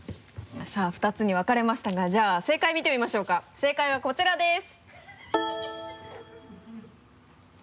さぁ２つに分かれましたがじゃあ正解見てみましょうか正解はこちらです。